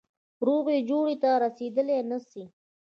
روغي جوړي ته رسېدلای نه سي.